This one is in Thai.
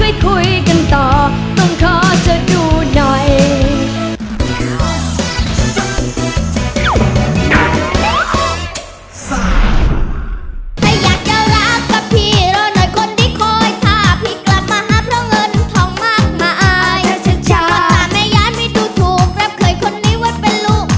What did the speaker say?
จริงหว่าตาแม่ย้านไม่ดูถูกรับเคยคนนี้ว่าเป็นลูก